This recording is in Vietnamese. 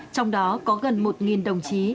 trong đó có gần một đồng chí